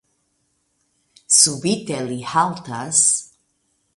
Subite li haltas.